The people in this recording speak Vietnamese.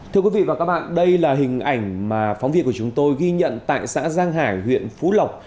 thưa quý vị và các bạn đây là hình ảnh mà phóng viên của chúng tôi ghi nhận tại xã giang hải huyện phú lộc